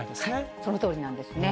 そのとおりなんですね。